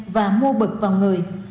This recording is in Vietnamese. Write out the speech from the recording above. và mua bực vào người